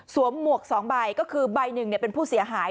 สวมหมวกสองใบก็คือใบหนึ่งเนี่ยเป็นผู้เสียหาย